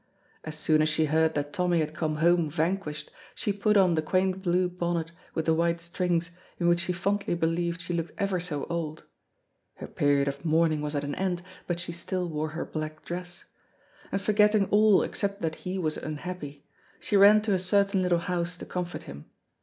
As soon as she heard that Tommy had come home vanquished, she put on the quaint blue bonnet with the white strings, in which she fondly believed she looked ever so old (her period of mourning was at an end, but she still wore her black dress) and forgetting all except that he was unhappy, she ran to a certain little house to comfort him.